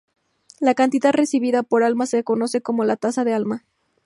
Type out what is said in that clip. La cantidad recibida por alma se conoce como la tasa de alma.